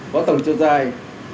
có tầng chiều dài